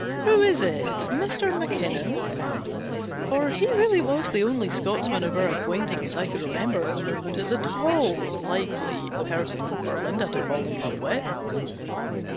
" Who is it ? Mr. Mackinnon ?" For he was really the only Scotchman of our acquaintance I could remember at the moment as at all a likely person for Linda to fall in love with.